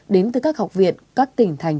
đến từ các học viện các tỉnh thành